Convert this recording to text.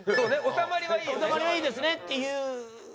収まりはいいですねっていう事。